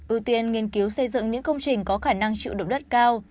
ưu tiên nghiên cứu xây dựng những công trình có khả năng chịu đựng đất cao